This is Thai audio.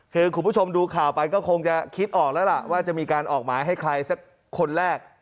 คือคุณผู้ชมดูข่าวไปก็คงจะคิดออกแล้วล่ะว่าจะมีการออกหมายให้ใครสักคนแรก